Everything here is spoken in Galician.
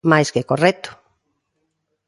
Máis que correcto.